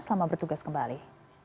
selamat bertugas kembali